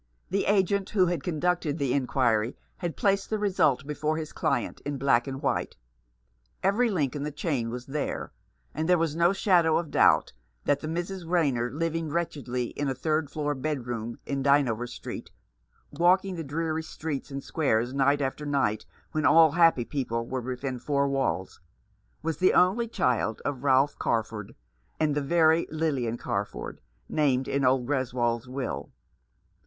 The agent who had conducted the inquiry had placed the result before his client in black and white. Every link in the chain was there ; and there was no shadow of doubt that the Mrs. Rayner, living wretchedly in a third floor bedroom in Dynevor Street, walk ing the dreary streets and squares night after night when all happy people were within four walls, was the only child of Ralph Carford and the very Lilian Carford named in old Greswold's will.